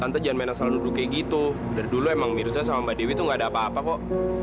dulu kayak gitu dulu dulu mirza sama mbak dewi tuh gak ada apa apa kok